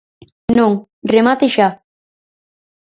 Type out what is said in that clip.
Non, remate xa.